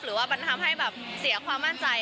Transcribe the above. หรือว่ามันทำให้แบบเสียความมั่นใจ